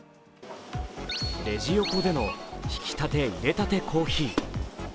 レジ横でのひきたて・いれたてコーヒー。